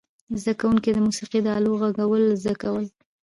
زده کوونکو د موسیقي د آلو غږول زده کول.